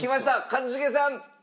一茂さん！